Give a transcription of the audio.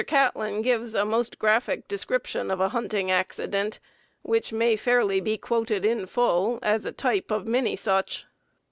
Catlin gives a most graphic description of a hunting accident, which may fairly be quoted in full as a type of many such.